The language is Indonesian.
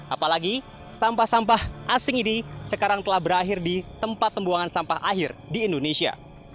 apalagi sampah sampah asing ini sekarang telah berakhir di tempat pembuangan sampah akhir di indonesia